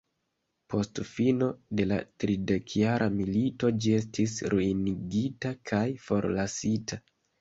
Post fino de la tridekjara milito ĝi estis ruinigita kaj forlasita.